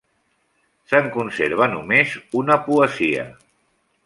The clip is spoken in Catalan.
Se'n conserva només una poesia.